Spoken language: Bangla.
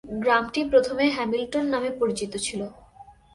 গ্রামটি প্রথমে হ্যামিলটন নামে পরিচিত ছিল।